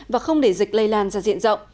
và không để dịch lây lan ra diện rộng